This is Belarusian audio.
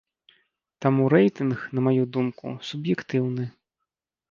Таму рэйтынг, на маю думку, суб'ектыўны.